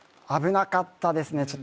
危なかったですね